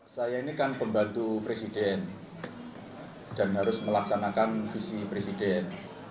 saya ini kan pembantu presiden dan harus melaksanakan visi presiden